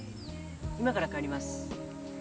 今から帰ります。